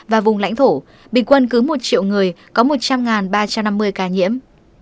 và vùng lãnh thổ bình quân cứ một triệu người có một trăm linh ba trăm năm mươi ca nhiễm